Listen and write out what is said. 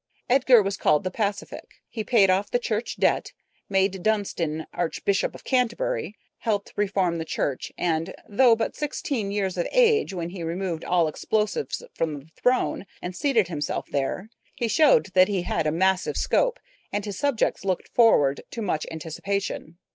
Edgar was called the Pacific. He paid off the church debt, made Dunstan Archbishop of Canterbury, helped reform the church, and, though but sixteen years of age when he removed all explosives from the throne and seated himself there, he showed that he had a massive scope, and his subjects looked forward to much anticipation.